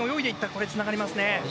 これ、つながりますね。